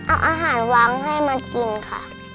เอาอาหารวางให้มากินค่ะ